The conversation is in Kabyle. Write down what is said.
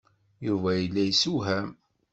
Yuba yella yesewham.